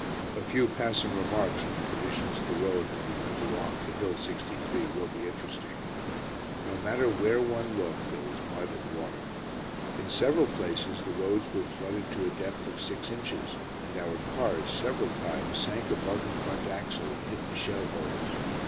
A few passing remarks on the conditions of the road as we went along to Hill 63 will be interesting. No matter where one looked there was mud and water. In several places the roads were flooded to a depth of six inches, and our cars several times sank above the front axle in hidden shell holes.